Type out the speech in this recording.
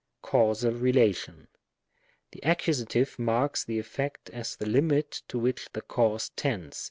Oausal relation. The Accusative marks the effect as the limit to which the cause tends.